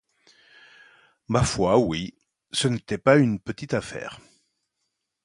Ma foi, oui ! Ça n’était pas une petite affaire.